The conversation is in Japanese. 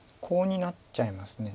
コウになっちゃいます。